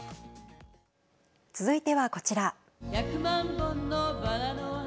続いてはこちら。